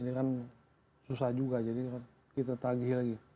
ini kan susah juga jadi kita tagih lagi